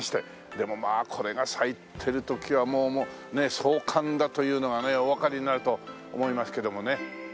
でもこれが咲いてる時はもう壮観だというのがねおわかりになると思いますけどもね。